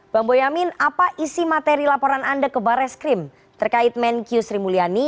bang boyamin apa isi materi laporan anda ke barreskrim terkait menkyu sri mulyani